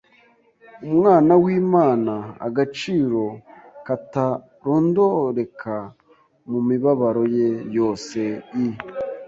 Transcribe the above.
Umwana w’Imana agaciro katarondoreka mu mibabaro ye yose i